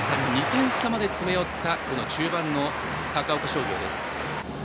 ２点差まで詰め寄った中盤の高岡商業です。